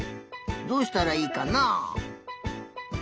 どうしたらいいかな？